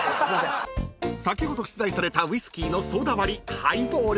［先ほど出題されたウイスキーのソーダ割りハイボール］